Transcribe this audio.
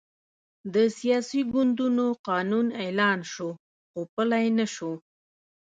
د سیاسي ګوندونو قانون اعلان شو، خو پلی نه شو.